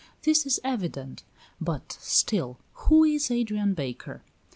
This is evident; but, still, who is Adrian Baker?